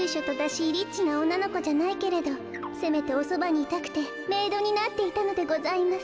リッチなおんなのこじゃないけどせめておそばにいたくてメイドになっていたのでございます。